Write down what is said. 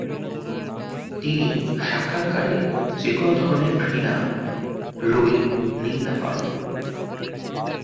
তিনি সাক্ষাৎকারে "যেকোনো ধরনের ঘৃণা"রই নিন্দা করেন।